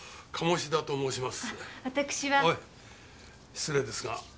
失礼ですが。